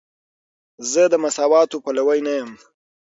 زه د مساواتو پلوی یم.